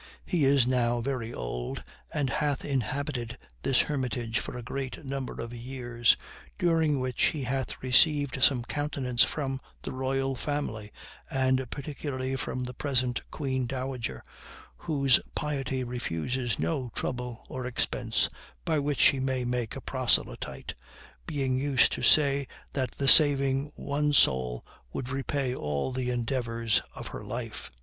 He is now very old, and hath inhabited this hermitage for a great number of years, during which he hath received some countenance from the royal family, and particularly from the present queen dowager, whose piety refuses no trouble or expense by which she may make a proselyte, being used to say that the saving one soul would repay all the endeavors of her life.